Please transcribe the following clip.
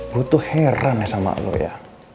gua tuh heran ya sama lo ya